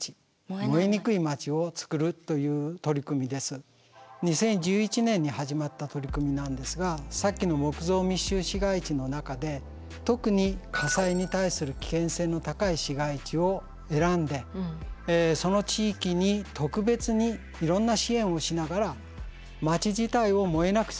これはあの２０１１年に始まった取り組みなんですがさっきの木造密集市街地の中で特に火災に対する危険性の高い市街地を選んでその地域に特別にいろんな支援をしながらまち自体を燃えなくする。